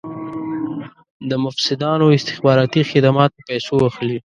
د مفسدانو استخباراتي خدمات په پیسو اخلي.